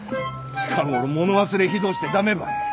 近頃物忘れんひどして駄目ばい。